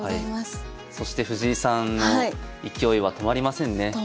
そして藤井さんの勢いは止まりませんね。